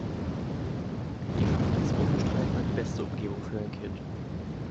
Die Familie ist unbestreitbar die beste Umgebung für ein Kind.